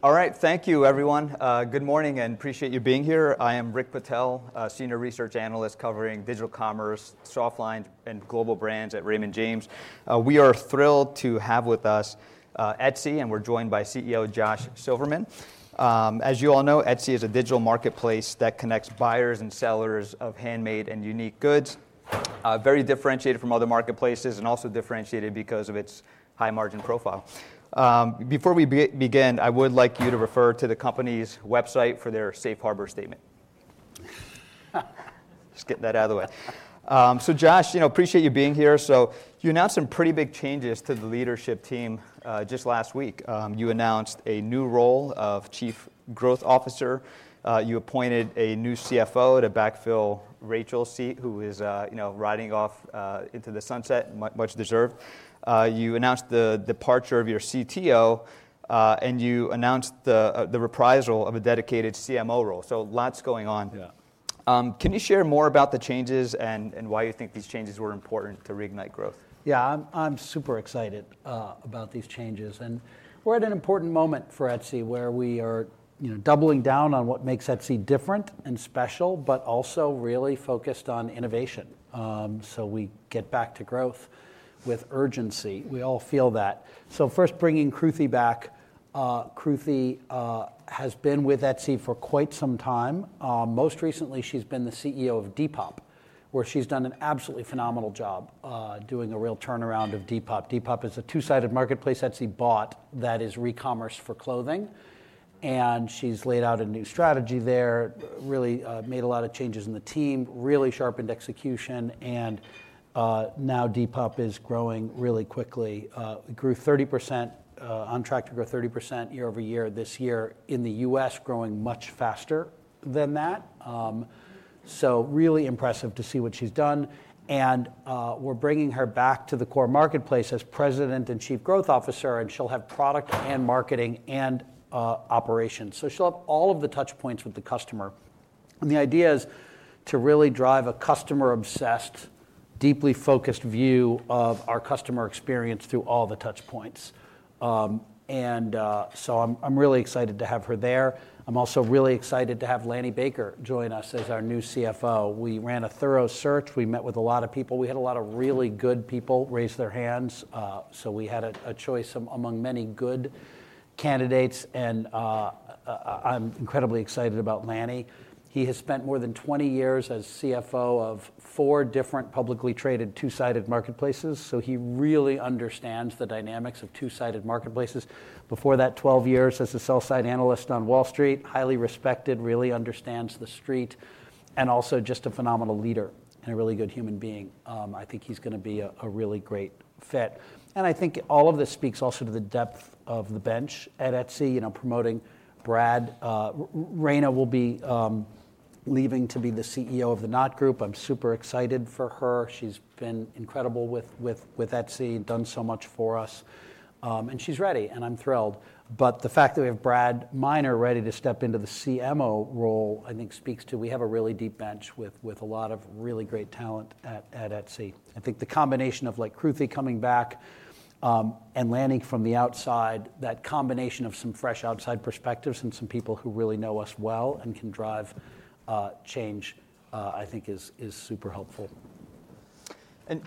All right, thank you, everyone. Good morning, and appreciate you being here. I am Rick Patel, Senior Research Analyst covering digital commerce, softlines, and global brands at Raymond James. We are thrilled to have with us Etsy, and we're joined by CEO Josh Silverman. As you all know, Etsy is a digital marketplace that connects buyers and sellers of handmade and unique goods, very differentiated from other marketplaces, and also differentiated because of its high-margin profile. Before we begin, I would like you to refer to the company's website for their Safe Harbor statement. Just getting that out of the way. So, Josh, appreciate you being here. So you announced some pretty big changes to the leadership team just last week. You announced a new role of Chief Growth Officer. You appointed a new CFO to backfill Rachel Glaser, who is riding off into the sunset, much deserved. You announced the departure of your CTO, and you announced the revival of a dedicated CMO role. So, lots going on. Can you share more about the changes and why you think these changes were important to reignite growth? Yeah, I'm super excited about these changes, and we're at an important moment for Etsy where we are doubling down on what makes Etsy different and special, but also really focused on innovation, so we get back to growth with urgency. We all feel that, so first, bringing Kruti back. Kruti has been with Etsy for quite some time. Most recently, she's been the CEO of Depop, where she's done an absolutely phenomenal job doing a real turnaround of Depop. Depop is a two-sided marketplace Etsy bought that is re-commerce for clothing, and she's laid out a new strategy there, really made a lot of changes in the team, really sharpened execution, and now Depop is growing really quickly. It grew 30%, on track to grow 30% year over year this year in the U.S., growing much faster than that, so really impressive to see what she's done. And we're bringing her back to the core marketplace as President and Chief Growth Officer, and she'll have product and marketing and operations. So she'll have all of the touch points with the customer. And the idea is to really drive a customer-obsessed, deeply focused view of our customer experience through all the touch points. And so I'm really excited to have her there. I'm also really excited to have Lanny Baker join us as our new CFO. We ran a thorough search. We met with a lot of people. We had a lot of really good people raise their hands. So we had a choice among many good candidates. And I'm incredibly excited about Lanny. He has spent more than 20 years as CFO of four different publicly traded two-sided marketplaces. So he really understands the dynamics of two-sided marketplaces. Before that, 12 years as a sell-side analyst on Wall Street, highly respected, really understands the Street, and also just a phenomenal leader and a really good human being. I think he's going to be a really great fit, and I think all of this speaks also to the depth of the bench at Etsy, promoting Brad. Raina will be leaving to be the CEO of The Knot Group. I'm super excited for her. She's been incredible with Etsy, done so much for us, and she's ready, and I'm thrilled, but the fact that we have Brad Minor ready to step into the CMO role, I think speaks to we have a really deep bench with a lot of really great talent at Etsy. I think the combination of Kruti coming back and Lanny from the outside, that combination of some fresh outside perspectives and some people who really know us well and can drive change, I think is super helpful.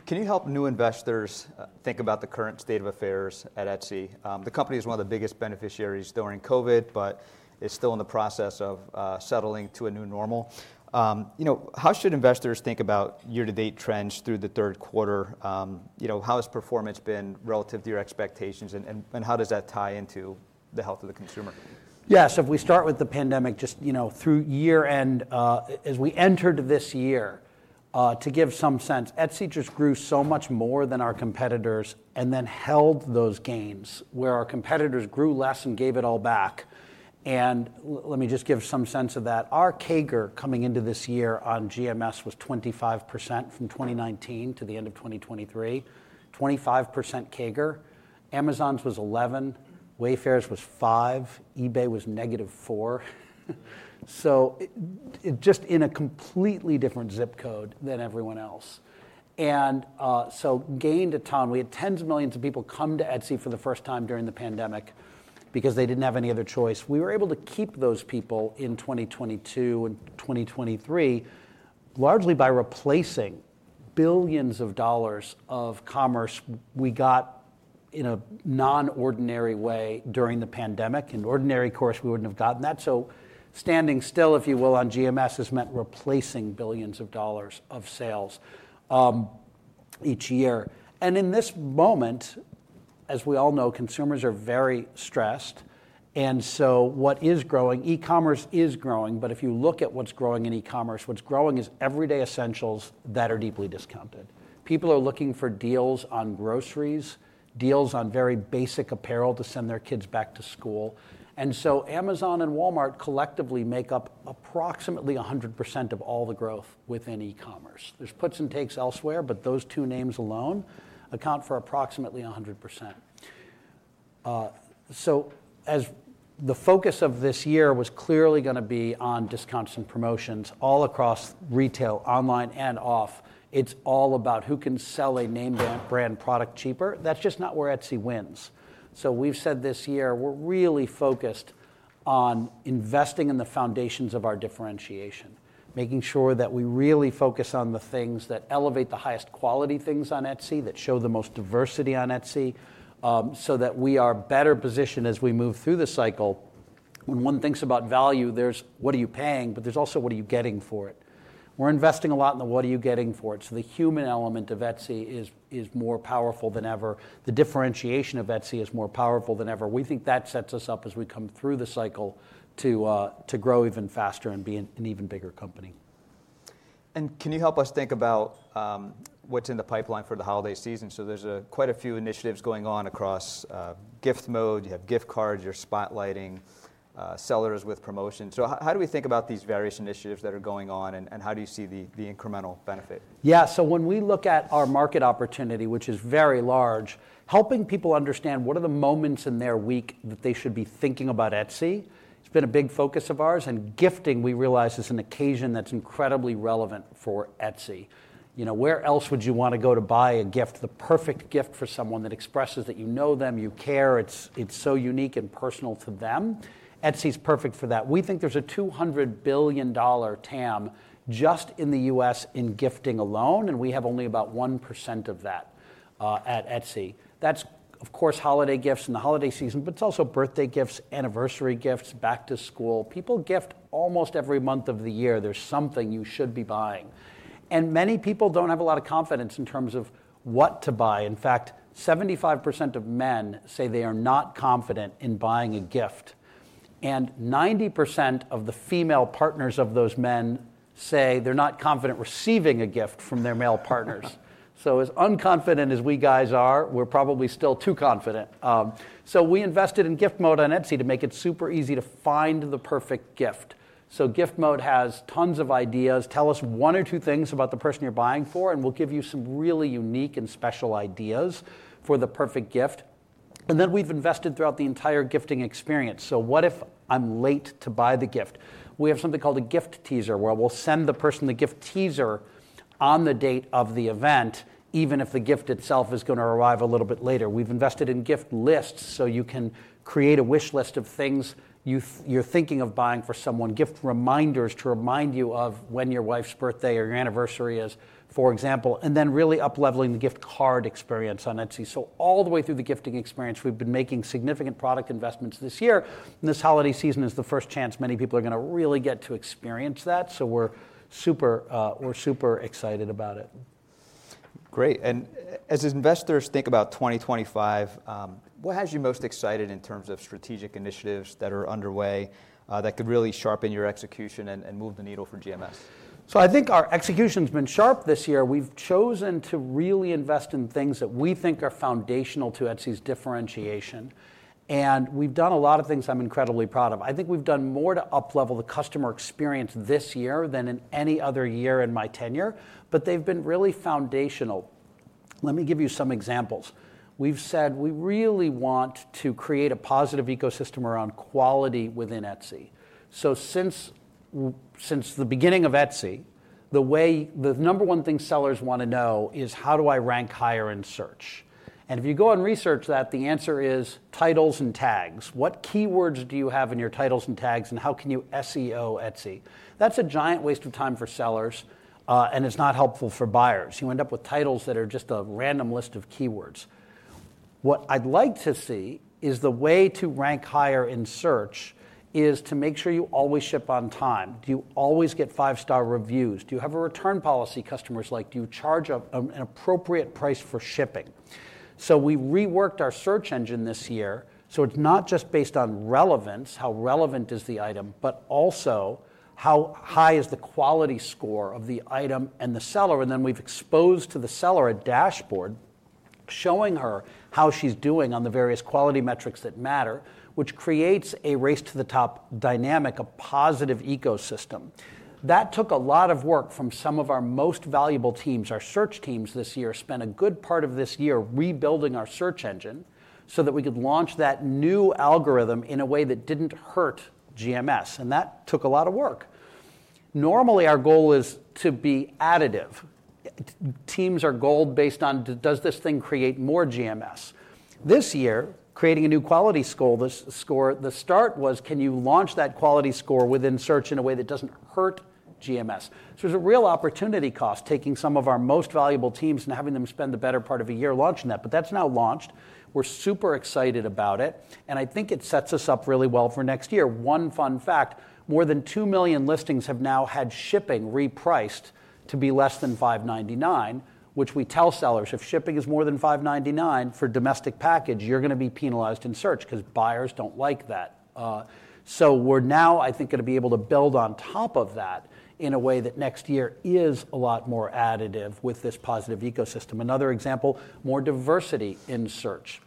Can you help new investors think about the current state of affairs at Etsy? The company is one of the biggest beneficiaries during COVID, but is still in the process of settling to a new normal. How should investors think about year-to-date trends through the third quarter? How has performance been relative to your expectations, and how does that tie into the health of the consumer? Yeah, so if we start with the pandemic, just through year-end, as we entered this year, to give some sense, Etsy just grew so much more than our competitors and then held those gains, where our competitors grew less and gave it all back. And let me just give some sense of that. Our CAGR coming into this year on GMS was 25% from 2019 to the end of 2023, 25% CAGR. Amazon's was 11%, Wayfair's was 5%, eBay was negative 4%. So just in a completely different zip code than everyone else. And so gained a ton. We had tens of millions of people come to Etsy for the first time during the pandemic because they didn't have any other choice. We were able to keep those people in 2022 and 2023, largely by replacing billions of dollars of commerce we got in a non-ordinary way during the pandemic. In ordinary course, we wouldn't have gotten that. So standing still, if you will, on GMS has meant replacing billions of dollars of sales each year. And in this moment, as we all know, consumers are very stressed. And so what is growing, e-commerce is growing. But if you look at what's growing in e-commerce, what's growing is everyday essentials that are deeply discounted. People are looking for deals on groceries, deals on very basic apparel to send their kids back to school. And so Amazon and Walmart collectively make up approximately 100% of all the growth within e-commerce. There's puts and takes elsewhere, but those two names alone account for approximately 100%. So as the focus of this year was clearly going to be on discounts and promotions all across retail, online, and off, it's all about who can sell a name brand product cheaper. That's just not where Etsy wins. So we've said this year, we're really focused on investing in the foundations of our differentiation, making sure that we really focus on the things that elevate the highest quality things on Etsy, that show the most diversity on Etsy, so that we are better positioned as we move through the cycle. When one thinks about value, there's what are you paying, but there's also what are you getting for it. We're investing a lot in the what are you getting for it. So the human element of Etsy is more powerful than ever. The differentiation of Etsy is more powerful than ever. We think that sets us up as we come through the cycle to grow even faster and be an even bigger company. Can you help us think about what's in the pipeline for the holiday season? There's quite a few initiatives going on across Gift Mode. You have gift cards. You're spotlighting sellers with promotions. How do we think about these various initiatives that are going on, and how do you see the incremental benefit? Yeah, so when we look at our market opportunity, which is very large, helping people understand what are the moments in their week that they should be thinking about Etsy, it's been a big focus of ours. And gifting, we realize, is an occasion that's incredibly relevant for Etsy. Where else would you want to go to buy a gift, the perfect gift for someone that expresses that you know them, you care, it's so unique and personal to them? Etsy is perfect for that. We think there's a $200 billion TAM just in the U.S. in gifting alone, and we have only about 1% of that at Etsy. That's, of course, holiday gifts in the holiday season, but it's also birthday gifts, anniversary gifts, back to school. People gift almost every month of the year. There's something you should be buying. And many people don't have a lot of confidence in terms of what to buy. In fact, 75% of men say they are not confident in buying a gift. And 90% of the female partners of those men say they're not confident receiving a gift from their male partners. So as unconfident as we guys are, we're probably still too confident. So we invested in Gift Mode on Etsy to make it super easy to find the perfect gift. So Gift Mode has tons of ideas. Tell us one or two things about the person you're buying for, and we'll give you some really unique and special ideas for the perfect gift. And then we've invested throughout the entire gifting experience. So what if I'm late to buy the gift? We have something called a Gift Teaser, where we'll send the person the Gift Teaser on the date of the event, even if the gift itself is going to arrive a little bit later. We've invested in gift lists, so you can create a wish list of things you're thinking of buying for someone, gift reminders to remind you of when your wife's birthday or your anniversary is, for example, and then really upleveling the gift card experience on Etsy. So all the way through the gifting experience, we've been making significant product investments this year. And this holiday season is the first chance many people are going to really get to experience that. So we're super excited about it. Great. And as investors think about 2025, what has you most excited in terms of strategic initiatives that are underway that could really sharpen your execution and move the needle for GMS? So I think our execution has been sharp this year. We've chosen to really invest in things that we think are foundational to Etsy's differentiation. And we've done a lot of things I'm incredibly proud of. I think we've done more to uplevel the customer experience this year than in any other year in my tenure, but they've been really foundational. Let me give you some examples. We've said we really want to create a positive ecosystem around quality within Etsy. So since the beginning of Etsy, the number one thing sellers want to know is, how do I rank higher in search? And if you go and research that, the answer is titles and tags. What keywords do you have in your titles and tags, and how can you SEO Etsy? That's a giant waste of time for sellers, and it's not helpful for buyers. You end up with titles that are just a random list of keywords. What I'd like to see is the way to rank higher in search is to make sure you always ship on time. Do you always get five-star reviews? Do you have a return policy? Customers like, do you charge an appropriate price for shipping? So we reworked our search engine this year. So it's not just based on relevance, how relevant is the item, but also how high is the quality score of the item and the seller. And then we've exposed to the seller a dashboard showing her how she's doing on the various quality metrics that matter, which creates a race-to-the-top dynamic, a positive ecosystem. That took a lot of work from some of our most valuable teams. Our search teams this year spent a good part of this year rebuilding our search engine so that we could launch that new algorithm in a way that didn't hurt GMS. And that took a lot of work. Normally, our goal is to be additive. Teams are goaled based on, does this thing create more GMS? This year, creating a new quality score, the start was, can you launch that quality score within search in a way that doesn't hurt GMS? So there's a real opportunity cost taking some of our most valuable teams and having them spend the better part of a year launching that. But that's now launched. We're super excited about it. And I think it sets us up really well for next year. One fun fact, more than 2 million listings have now had shipping repriced to be less than $5.99, which we tell sellers, if shipping is more than $5.99 for domestic package, you're going to be penalized in search because buyers don't like that. So we're now, I think, going to be able to build on top of that in a way that next year is a lot more additive with this positive ecosystem. Another example, more diversity in search.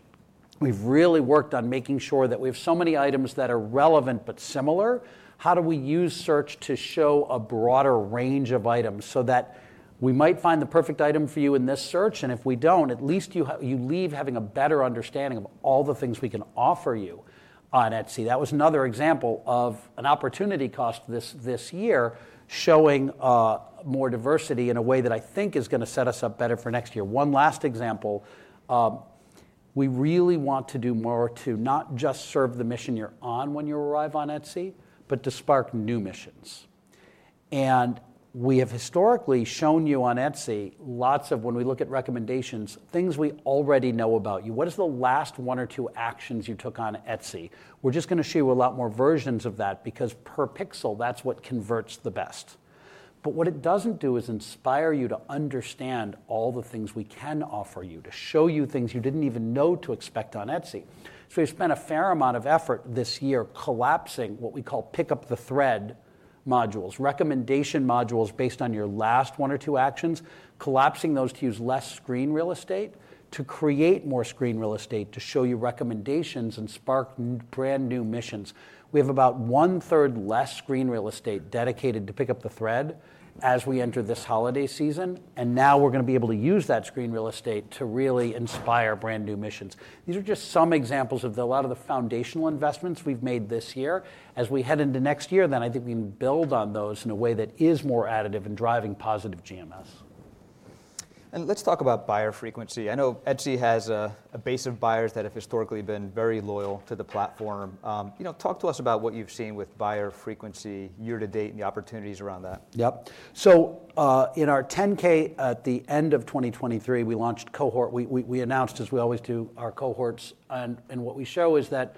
We've really worked on making sure that we have so many items that are relevant but similar. How do we use search to show a broader range of items so that we might find the perfect item for you in this search, and if we don't, at least you leave having a better understanding of all the things we can offer you on Etsy. That was another example of an opportunity cost this year showing more diversity in a way that I think is going to set us up better for next year. One last example, we really want to do more to not just serve the mission you're on when you arrive on Etsy, but to spark new missions, and we have historically shown you on Etsy lots of, when we look at recommendations, things we already know about you. What is the last one or two actions you took on Etsy? We're just going to show you a lot more versions of that because per pixel, that's what converts the best, but what it doesn't do is inspire you to understand all the things we can offer you, to show you things you didn't even know to expect on Etsy. We've spent a fair amount of effort this year collapsing what we call Pick Up the Thread modules, recommendation modules based on your last one or two actions, collapsing those to use less screen real estate, to create more screen real estate to show you recommendations and spark brand new missions. We have about one-third less screen real estate dedicated to pick up the thread as we enter this holiday season. Now we're going to be able to use that screen real estate to really inspire brand new missions. These are just some examples of a lot of the foundational investments we've made this year. As we head into next year, then I think we can build on those in a way that is more additive and driving positive GMS. Let's talk about buyer frequency. I know Etsy has a base of buyers that have historically been very loyal to the platform. Talk to us about what you've seen with buyer frequency year-to-date and the opportunities around that. Yep. So in our 10-K at the end of 2023, we launched cohort. We announced, as we always do, our cohorts. And what we show is that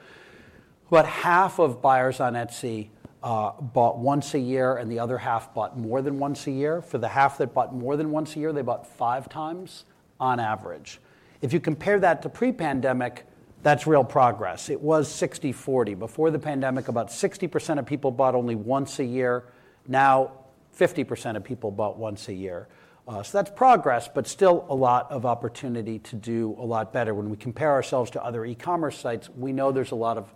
about half of buyers on Etsy bought once a year, and the other half bought more than once a year. For the half that bought more than once a year, they bought five times on average. If you compare that to pre-pandemic, that's real progress. It was 60-40. Before the pandemic, about 60% of people bought only once a year. Now, 50% of people bought once a year. So that's progress, but still a lot of opportunity to do a lot better. When we compare ourselves to other e-commerce sites, we know there's a lot of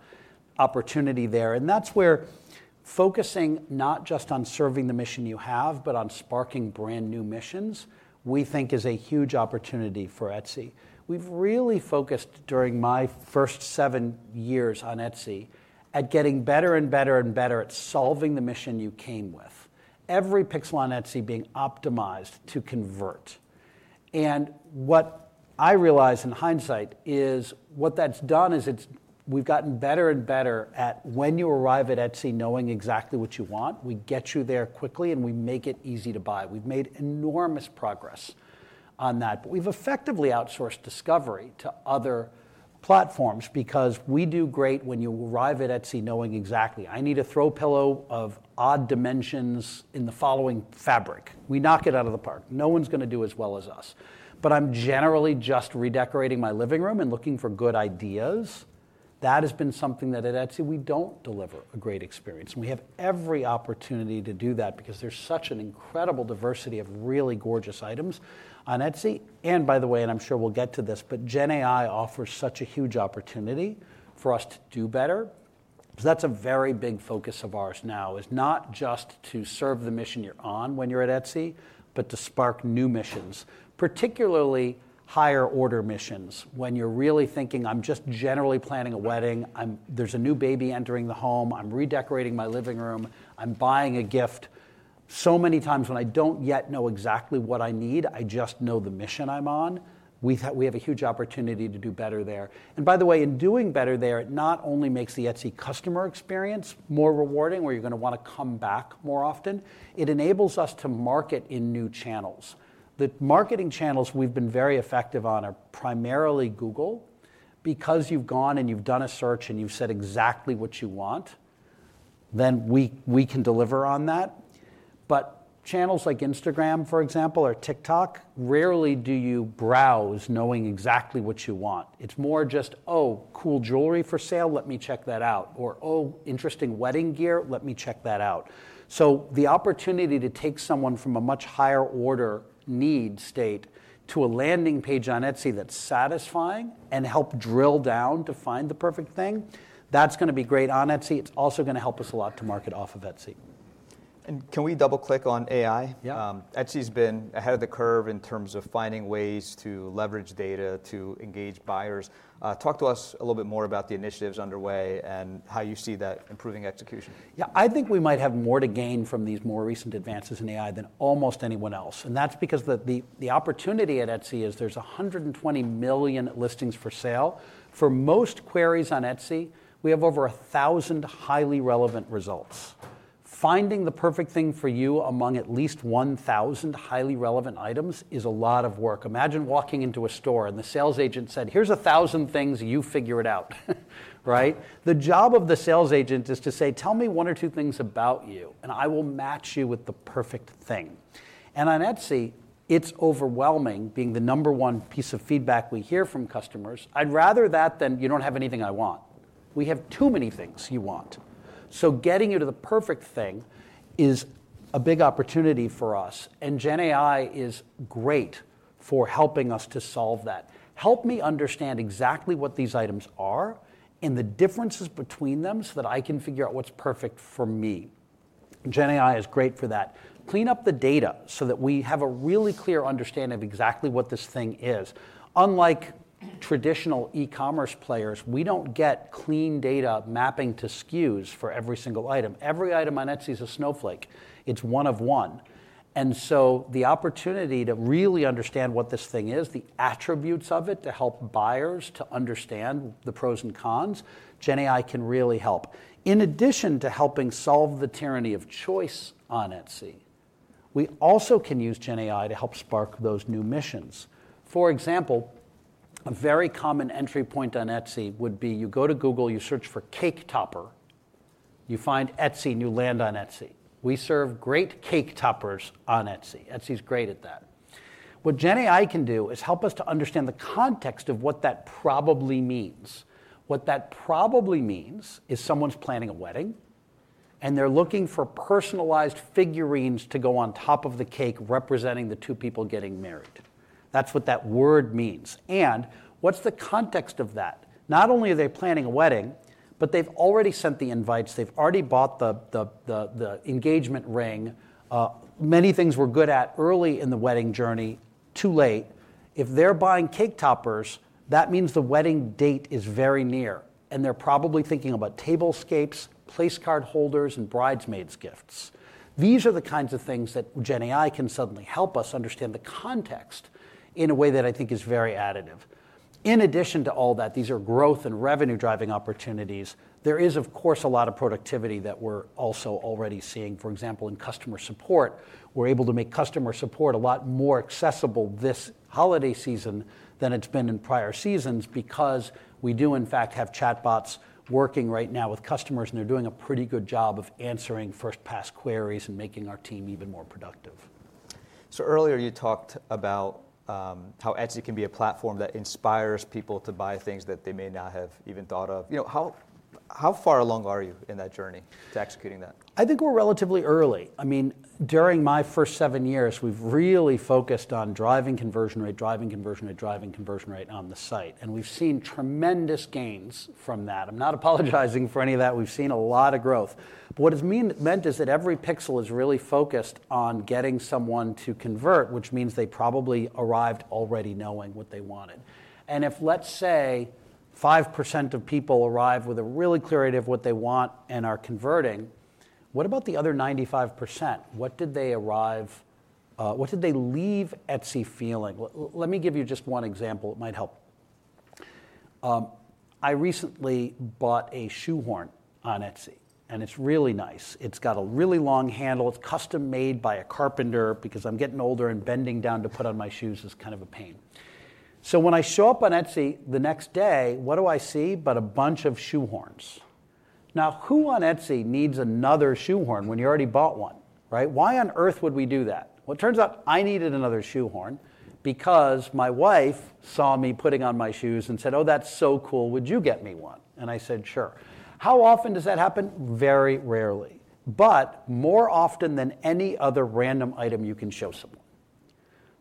opportunity there. That's where focusing not just on serving the mission you have, but on sparking brand new missions, we think is a huge opportunity for Etsy. We've really focused during my first seven years on Etsy at getting better and better and better at solving the mission you came with, every pixel on Etsy being optimized to convert. What I realize in hindsight is what that's done is we've gotten better and better at when you arrive at Etsy knowing exactly what you want. We get you there quickly, and we make it easy to buy. We've made enormous progress on that. We've effectively outsourced discovery to other platforms because we do great when you arrive at Etsy knowing exactly, I need a throw pillow of odd dimensions in the following fabric. We knock it out of the park. No one's going to do as well as us. But I'm generally just redecorating my living room and looking for good ideas. That has been something that at Etsy we don't deliver a great experience. And we have every opportunity to do that because there's such an incredible diversity of really gorgeous items on Etsy. And by the way, and I'm sure we'll get to this, but GenAI offers such a huge opportunity for us to do better. So that's a very big focus of ours now, is not just to serve the mission you're on when you're at Etsy, but to spark new missions, particularly higher order missions when you're really thinking, I'm just generally planning a wedding. There's a new baby entering the home. I'm redecorating my living room. I'm buying a gift. So many times when I don't yet know exactly what I need, I just know the mission I'm on. We have a huge opportunity to do better there, and by the way, in doing better there, it not only makes the Etsy customer experience more rewarding, where you're going to want to come back more often, it enables us to market in new channels. The marketing channels we've been very effective on are primarily Google. Because you've gone and you've done a search and you've said exactly what you want, then we can deliver on that, but channels like Instagram, for example, or TikTok, rarely do you browse knowing exactly what you want. It's more just, oh, cool jewelry for sale, let me check that out, or, oh, interesting wedding gear, let me check that out. The opportunity to take someone from a much higher order need state to a landing page on Etsy that's satisfying and help drill down to find the perfect thing, that's going to be great on Etsy. It's also going to help us a lot to market off of Etsy. Can we double-click on AI? Yeah. Etsy's been ahead of the curve in terms of finding ways to leverage data to engage buyers. Talk to us a little bit more about the initiatives underway and how you see that improving execution? Yeah, I think we might have more to gain from these more recent advances in AI than almost anyone else. And that's because the opportunity at Etsy is, there's 120 million listings for sale. For most queries on Etsy, we have over 1,000 highly relevant results. Finding the perfect thing for you among at least 1,000 highly relevant items is a lot of work. Imagine walking into a store and the sales agent said, here's 1,000 things, you figure it out, right? The job of the sales agent is to say, tell me one or two things about you, and I will match you with the perfect thing. And on Etsy, it's overwhelming being the number one piece of feedback we hear from customers. I'd rather that than you don't have anything I want. We have too many things you want. So getting you to the perfect thing is a big opportunity for us. And GenAI is great for helping us to solve that. Help me understand exactly what these items are and the differences between them so that I can figure out what's perfect for me. GenAI is great for that. Clean up the data so that we have a really clear understanding of exactly what this thing is. Unlike traditional e-commerce players, we don't get clean data mapping to SKUs for every single item. Every item on Etsy is a snowflake. It's one of one. And so the opportunity to really understand what this thing is, the attributes of it to help buyers to understand the pros and cons, GenAI can really help. In addition to helping solve the tyranny of choice on Etsy, we also can use GenAI to help spark those new missions. For example, a very common entry point on Etsy would be you go to Google, you search for cake topper, you find Etsy, and you land on Etsy. We serve great cake toppers on Etsy. Etsy's great at that. What GenAI can do is help us to understand the context of what that probably means. What that probably means is someone's planning a wedding, and they're looking for personalized figurines to go on top of the cake representing the two people getting married. That's what that word means. And what's the context of that? Not only are they planning a wedding, but they've already sent the invites. They've already bought the engagement ring. Many things we're good at early in the wedding journey. Too late. If they're buying cake toppers, that means the wedding date is very near. And they're probably thinking about tablescapes, place card holders, and bridesmaids' gifts. These are the kinds of things that GenAI can suddenly help us understand the context in a way that I think is very additive. In addition to all that, these are growth and revenue-driving opportunities. There is, of course, a lot of productivity that we're also already seeing. For example, in customer support, we're able to make customer support a lot more accessible this holiday season than it's been in prior seasons because we do, in fact, have chatbots working right now with customers, and they're doing a pretty good job of answering first-pass queries and making our team even more productive. Earlier you talked about how Etsy can be a platform that inspires people to buy things that they may not have even thought of. How far along are you in that journey to executing that? I think we're relatively early. I mean, during my first seven years, we've really focused on driving conversion rate, driving conversion rate, driving conversion rate on the site, and we've seen tremendous gains from that. I'm not apologizing for any of that. We've seen a lot of growth, but what it's meant is that every pixel is really focused on getting someone to convert, which means they probably arrived already knowing what they wanted, and if, let's say, 5% of people arrive with a really clear idea of what they want and are converting, what about the other 95%? What did they arrive? What did they leave Etsy feeling? Let me give you just one example. It might help. I recently bought a shoehorn on Etsy, and it's really nice. It's got a really long handle. It's custom-made by a carpenter because I'm getting older, and bending down to put on my shoes is kind of a pain. So when I show up on Etsy the next day, what do I see but a bunch of shoehorns? Now, who on Etsy needs another shoehorn when you already bought one, right? Why on earth would we do that? Well, it turns out I needed another shoehorn because my wife saw me putting on my shoes and said, "Oh, that's so cool. Would you get me one?" And I said, "Sure." How often does that happen? Very rarely, but more often than any other random item you can show someone.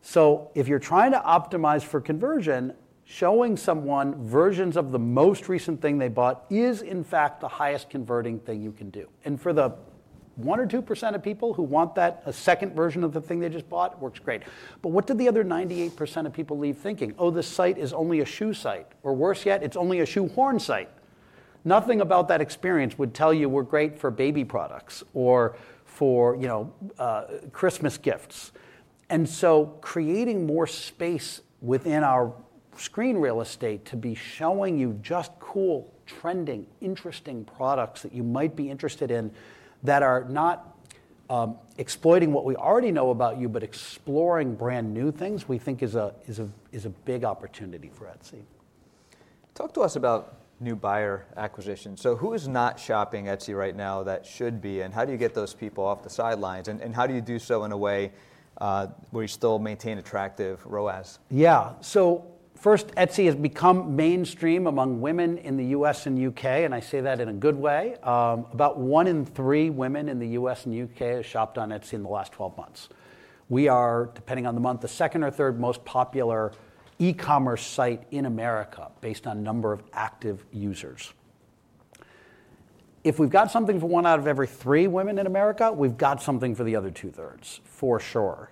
So if you're trying to optimize for conversion, showing someone versions of the most recent thing they bought is, in fact, the highest converting thing you can do. And for the 1% or 2% of people who want that, a second version of the thing they just bought works great. But what did the other 98% of people leave thinking? "Oh, this site is only a shoe site." Or worse yet, "It's only a shoehorn site." Nothing about that experience would tell you we're great for baby products or for Christmas gifts. And so creating more space within our screen real estate to be showing you just cool, trending, interesting products that you might be interested in that are not exploiting what we already know about you, but exploring brand new things we think is a big opportunity for Etsy. Talk to us about new buyer acquisition. So who is not shopping Etsy right now that should be? And how do you get those people off the sidelines? And how do you do so in a way where you still maintain attractive ROAS? Yeah. So first, Etsy has become mainstream among women in the U.S. and U.K. And I say that in a good way. About one in three women in the U.S. and U.K. have shopped on Etsy in the last 12 months. We are, depending on the month, the second or third most popular e-commerce site in America based on number of active users. If we've got something for one out of every three women in America, we've got something for the other two-thirds, for sure.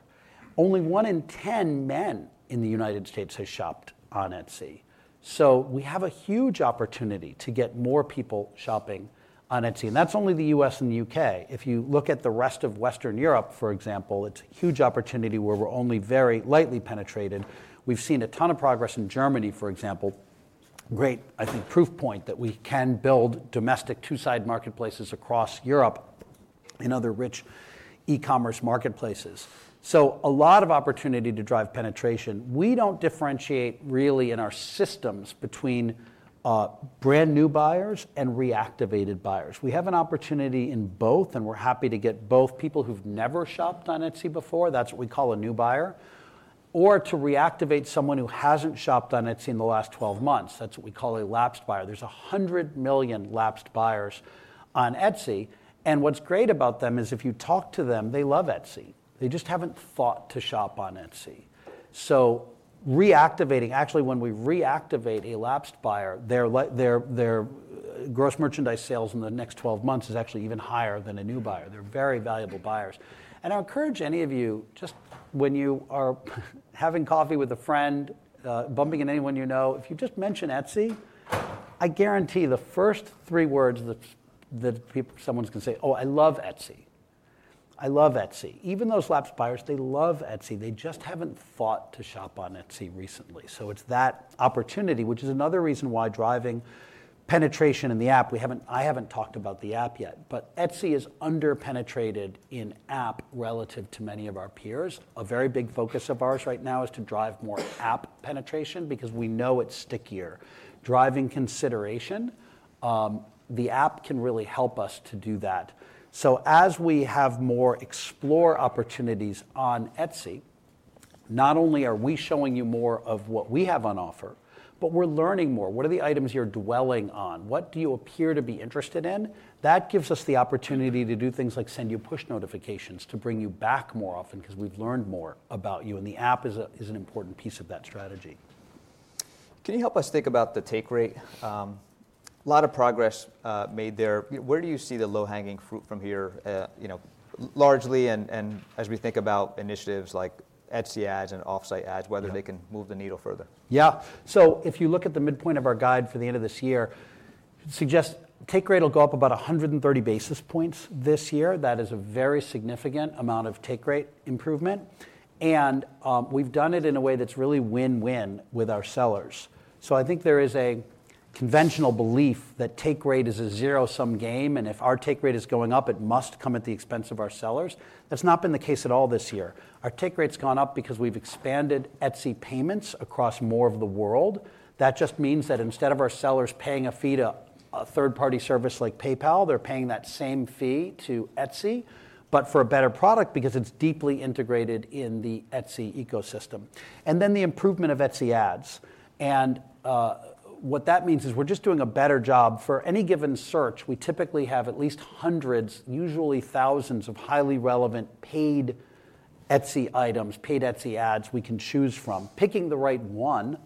Only one in 10 men in the United States has shopped on Etsy. So we have a huge opportunity to get more people shopping on Etsy. And that's only the U.S. and the U.K. If you look at the rest of Western Europe, for example, it's a huge opportunity where we're only very lightly penetrated. We've seen a ton of progress in Germany, for example. Great, I think, proof point that we can build domestic two-sided marketplaces across Europe and other rich e-commerce marketplaces. So a lot of opportunity to drive penetration. We don't differentiate really in our systems between brand new buyers and reactivated buyers. We have an opportunity in both, and we're happy to get both people who've never shopped on Etsy before. That's what we call a new buyer. Or to reactivate someone who hasn't shopped on Etsy in the last 12 months. That's what we call a lapsed buyer. There's 100 million lapsed buyers on Etsy. And what's great about them is if you talk to them, they love Etsy. They just haven't thought to shop on Etsy. So reactivating, actually, when we reactivate a lapsed buyer, their gross merchandise sales in the next 12 months is actually even higher than a new buyer. They're very valuable buyers. I encourage any of you, just when you are having coffee with a friend, bumping into anyone you know, if you just mention Etsy, I guarantee the first three words that someone's going to say, "Oh, I love Etsy. I love Etsy." Even those lapsed buyers, they love Etsy. They just haven't thought to shop on Etsy recently. So it's that opportunity, which is another reason why driving penetration in the app, I haven't talked about the app yet, but Etsy is underpenetrated in app relative to many of our peers. A very big focus of ours right now is to drive more app penetration because we know it's stickier. Driving consideration, the app can really help us to do that. So as we have more explore opportunities on Etsy, not only are we showing you more of what we have on offer, but we're learning more. What are the items you're dwelling on? What do you appear to be interested in? That gives us the opportunity to do things like send you push notifications to bring you back more often because we've learned more about you. And the app is an important piece of that strategy. Can you help us think about the take rate? A lot of progress made there. Where do you see the low-hanging fruit from here largely? And as we think about initiatives like Etsy Ads and Offsite Ads, whether they can move the needle further. Yeah. So if you look at the midpoint of our guide for the end of this year, it suggests take rate will go up about 130 basis points this year. That is a very significant amount of take rate improvement, and we've done it in a way that's really win-win with our sellers. So I think there is a conventional belief that take rate is a zero-sum game. And if our take rate is going up, it must come at the expense of our sellers. That's not been the case at all this year. Our take rate's gone up because we've expanded Etsy Payments across more of the world. That just means that instead of our sellers paying a fee to a third-party service like PayPal, they're paying that same fee to Etsy, but for a better product because it's deeply integrated in the Etsy ecosystem. And then the improvement of Etsy Ads, and what that means is we're just doing a better job for any given search. We typically have at least hundreds, usually thousands of highly relevant paid Etsy items, paid Etsy Ads we can choose from. Picking the right one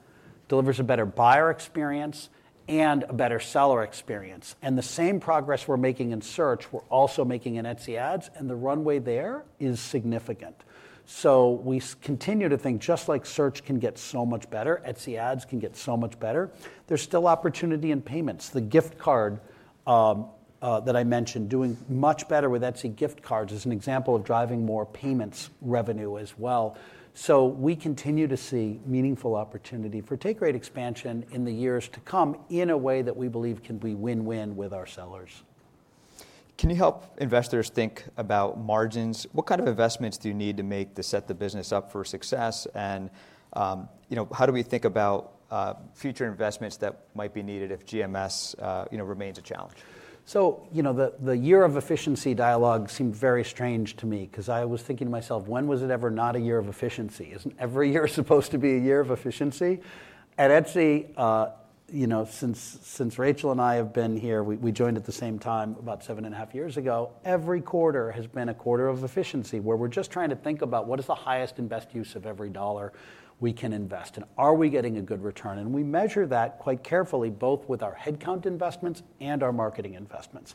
delivers a better buyer experience and a better seller experience, and the same progress we're making in search, we're also making in Etsy Ads, and the runway there is significant, so we continue to think just like search can get so much better, Etsy Ads can get so much better, there's still opportunity in payments. The gift card that I mentioned, doing much better with Etsy gift cards as an example of driving more payments revenue as well. We continue to see meaningful opportunity for take rate expansion in the years to come in a way that we believe can be win-win with our sellers. Can you help investors think about margins? What kind of investments do you need to set the business up for success? And how do we think about future investments that might be needed if GMS remains a challenge? The year of efficiency dialogue seemed very strange to me because I was thinking to myself, when was it ever not a year of efficiency? Isn't every year supposed to be a year of efficiency? At Etsy, since Rachel and I have been here, we joined at the same time about seven and a half years ago, every quarter has been a quarter of efficiency where we're just trying to think about what is the highest and best use of every dollar we can invest. And are we getting a good return? And we measure that quite carefully, both with our headcount investments and our marketing investments.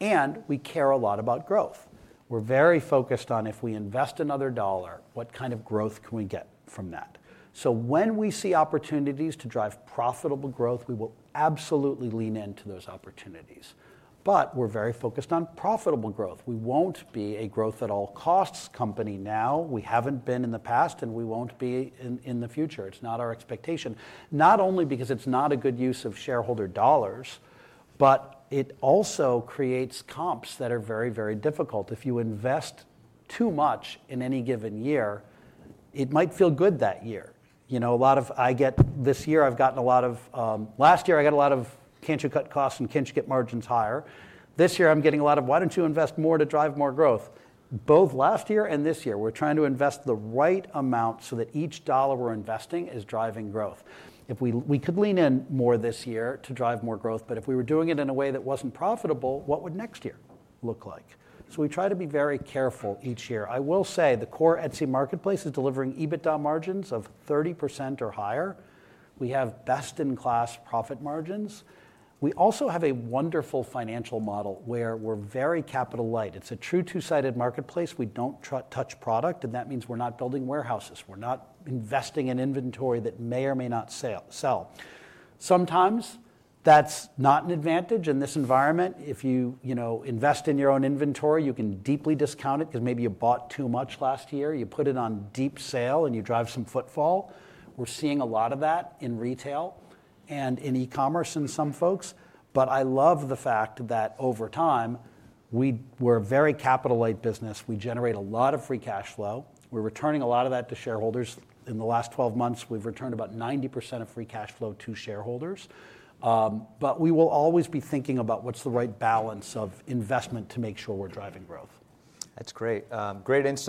And we care a lot about growth. We're very focused on if we invest another dollar, what kind of growth can we get from that? So when we see opportunities to drive profitable growth, we will absolutely lean into those opportunities. But we're very focused on profitable growth. We won't be a growth-at-all-costs company now. We haven't been in the past, and we won't be in the future. It's not our expectation. Not only because it's not a good use of shareholder dollars, but it also creates comps that are very, very difficult. If you invest too much in any given year, it might feel good that year. A lot. Of this year, I've gotten a lot. Of last year, I got a lot of "can't you cut costs and can't you get margins higher." This year, I'm getting a lot of "why don't you invest more to drive more growth." Both last year and this year, we're trying to invest the right amount so that each dollar we're investing is driving growth. We could lean in more this year to drive more growth, but if we were doing it in a way that wasn't profitable, what would next year look like? So we try to be very careful each year. I will say the core Etsy marketplace is delivering EBITDA margins of 30% or higher. We have best-in-class profit margins. We also have a wonderful financial model where we're very capital-light. It's a true two-sided marketplace. We don't touch product, and that means we're not building warehouses. We're not investing in inventory that may or may not sell. Sometimes that's not an advantage in this environment. If you invest in your own inventory, you can deeply discount it because maybe you bought too much last year. You put it on deep sale, and you drive some footfall. We're seeing a lot of that in retail and in e-commerce and some folks. But I love the fact that over time, we're a very capital-light business. We generate a lot of free cash flow. We're returning a lot of that to shareholders. In the last 12 months, we've returned about 90% of free cash flow to shareholders. But we will always be thinking about what's the right balance of investment to make sure we're driving growth. That's great. Great insight.